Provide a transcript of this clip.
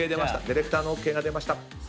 ディレクターのＯＫが出ました。